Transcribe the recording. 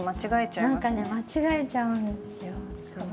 何かね間違えちゃうんですよ。